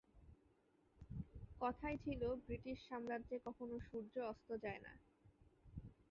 কথাই ছিল, ব্রিটিশ সাম্রাজ্যে কখনও সূর্য অস্ত যায়না।